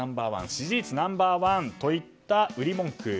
支持率ナンバー１といった売り文句。